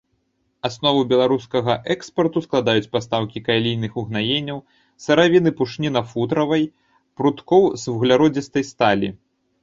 Аснову беларускага экспарту складаюць пастаўкі калійных угнаенняў, сыравіны пушніна-футравай, пруткоў з вугляродзістай сталі.